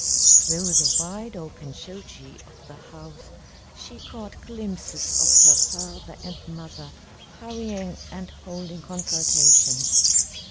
Through the wide open shoji of the house she caught glimpses of her father and mother hurrying and holding consultations.